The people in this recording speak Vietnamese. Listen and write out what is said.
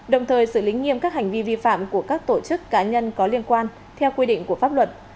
đồng thời xử lý nghiêm các hành vi vi phạm của các tổ chức cá nhân có liên quan theo quy định của pháp luật